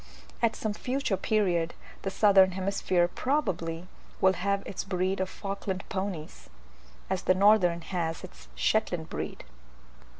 At some future period the southern hemisphere probably will have its breed of Falkland ponies, as the northern has its Shetland breed.